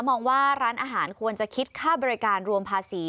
มองว่าร้านอาหารควรจะคิดค่าบริการรวมภาษี